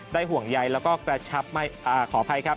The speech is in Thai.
ห่วงใยแล้วก็กระชับขออภัยครับ